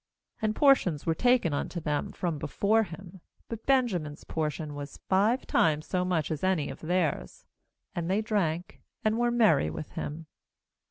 34And portions were taken unto them from before him; but Benjamin's portion, was five times so much as any of theirs. And they drank, and were merry with him.